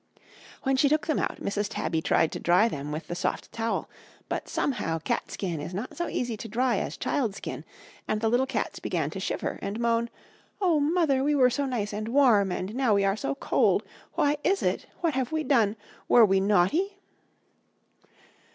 "When she took them out, Mrs. Tabby tried to dry them with the soft towel, but somehow catskin is not so easy to dry as child skin, and the little cats began to shiver, and moan: 'Oh, mother, we were so nice and warm, and now we are so cold! Why is it? What have we done? Were we naughty?'